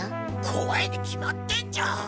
怖いに決まってんじゃん！